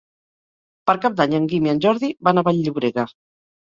Per Cap d'Any en Guim i en Jordi van a Vall-llobrega.